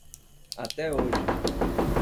Até hoje.